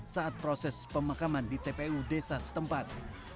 saat proses pemakaman di tpu desa setempat